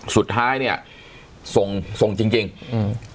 สุดท้ายเนี้ยส่งส่งจริงจริงอืม